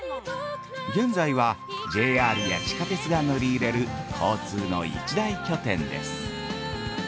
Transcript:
現在はＪＲや地下鉄が乗り入れる交通の一大拠点です。